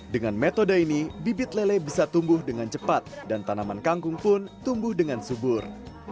dengan metode ini bibit lele bisa tumbuh dengan cepat dan tanaman kangkung pun tumbuh dengan subur